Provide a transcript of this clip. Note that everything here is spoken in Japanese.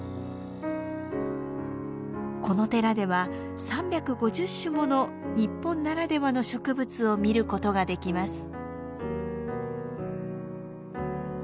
この寺では３５０種もの日本ならではの植物を見ることができます。